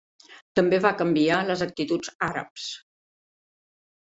També va canviar les actituds àrabs.